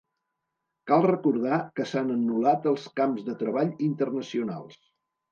Cal recordar que s'han anul·lat els camps de treball internacionals.